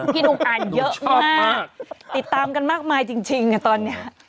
หนุ่มอ่านเยอะมากติดตามกันมากมายจริงตอนนี้